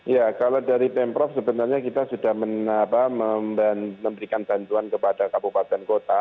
ya kalau dari pemprov sebenarnya kita sudah memberikan bantuan kepada kabupaten kota